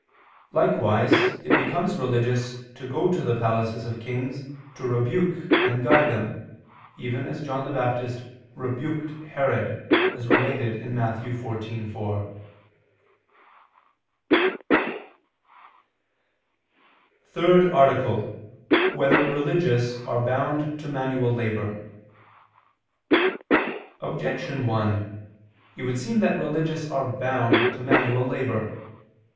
Likewise it becomes religious to go to the palaces of kings to rebuke and guide them, even as John the Baptist rebuked Herod, as related in Matt. 14:4. _______________________ THIRD ARTICLE [II II, Q. 187, Art. 3] Whether Religious Are Bound to Manual Labor? Objection 1: It would seem that religious are bound to manual labor.